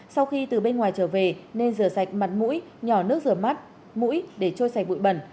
sau khi từ bên ngoài trở về nên rửa sạch mặt mũi nhỏ nước rửa mắt mũi để trôi chảy bụi bẩn